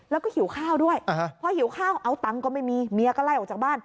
แล้วก็หิวข้าวด้วยพอหิวข้าวเอาตังค์ก็ไม่มีเมียก็ไล่ออกจากบ้าน